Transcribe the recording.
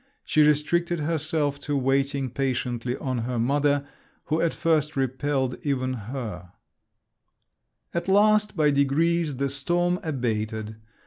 She restricted herself to waiting patiently on her mother, who at first repelled even her…. At last, by degrees, the storm abated.